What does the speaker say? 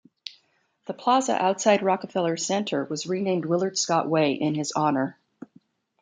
The plaza outside Rockefeller Center was renamed Willard Scott Way in his honor.